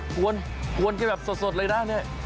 กวนกันแบบสดเลยนะเนี่ย